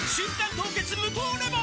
凍結無糖レモン」